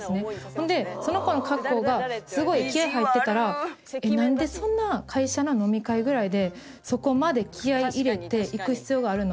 ほんでその子の格好がすごい気合入ってたらなんでそんな会社の飲み会ぐらいでそこまで気合入れて行く必要があるの？